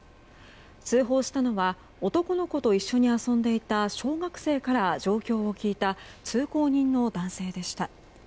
通報したのは男の子と一緒に遊んでいた小学生から状況を聞いた通行人の男性でした。